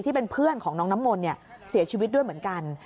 ที่เป็นเพื่อนของน้องน้ำมนต์เนี่ยเสียชีวิตด้วยเหมือนกัน